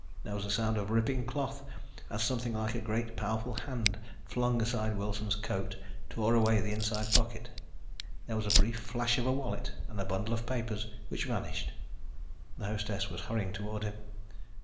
There was a sound of ripping cloth as something like a great, powerful hand flung aside Wilson's coat, tore away the inside pocket. There was a brief flash of a wallet and a bundle of papers, which vanished. The hostess was hurrying toward him.